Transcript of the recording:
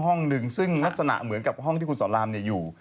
ห้องหนึ่งซึ่งลักษณะเหมือนกับห้องที่คุณสอนรามอยู่